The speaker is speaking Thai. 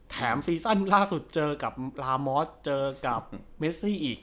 ซีซั่นล่าสุดเจอกับลามอสเจอกับเมซี่อีก